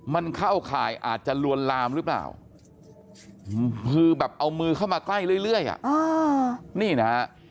มันเข้าข่ายอาจจะลวนลามหรือเปล่าคือแบบเอามือเข้ามาใกล้เรื่อยอ่ะนี่นะฮะ